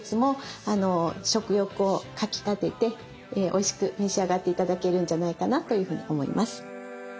おいしく召し上がって頂けるんじゃないかなというふうに思います。